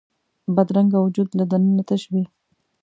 بدرنګه وجود له دننه تش وي